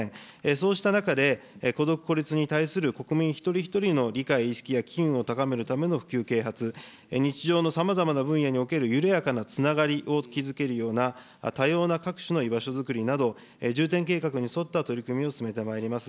そうした中で、孤独・孤立に対する国民一人一人の理解、意識や機運を高めるための普及啓発、日常のさまざまな分野における緩やかなつながりを築けるような、多様な各種の居場所づくりなど、重点計画に沿った取り組みを進めてまいります。